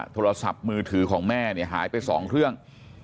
โทรศัพท์มือถือของแม่เนี่ยหายไป๒เครื่อง